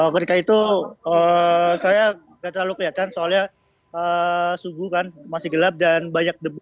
mereka itu saya nggak terlalu kelihatan soalnya subuh kan masih gelap dan banyak debu